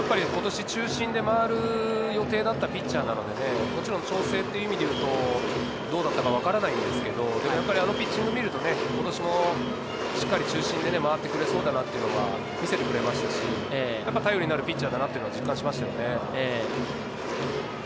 今年、中心で回る予定だったピッチャーなので、もちろん調整という意味でいうと、どうなのかわからないんですけれど、あのピッチングを見ると今年もしっかり中心で回ってくれそうだなっていうのを見せてくれましたし、やっぱり頼りになるピッチャーだなというのを実感しましたね。